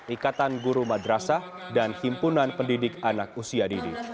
ikatan guru madrasah dan himpunan pendidik anak usia dini